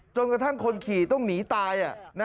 จนกระทั่งคนขี่ต้องหนีตาย